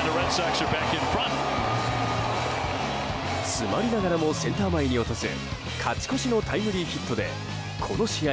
詰まりながらもセンター前に落とす勝ち越しのタイムリーヒットでこの試合